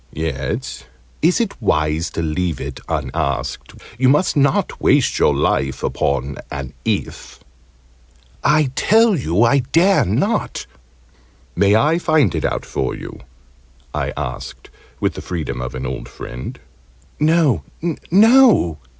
"Yet is it wise to leave it unasked? You must not waste your life upon an 'if'!" "I tell you I dare not!," "May I find it out for you?" I asked, with the freedom of an old friend. "No, no!"